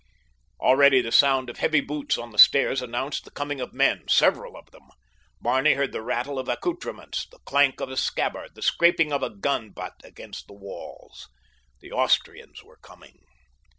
Already the sound of heavy boots on the stairs announced the coming of men—several of them. Barney heard the rattle of accouterments—the clank of a scabbard—the scraping of gun butts against the walls. The Austrians were coming!